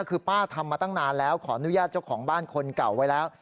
คือป้าทำมาตั้งนานแล้วขออนุญาตเจ้าของบ้านคนเก่าไว้แล้ว